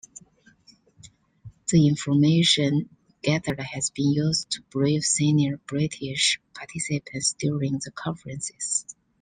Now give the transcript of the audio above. The information gathered has been used to brief senior British participants during the conferences.